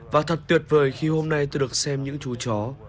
và thật tuyệt vời khi hôm nay tôi được xem những chú chó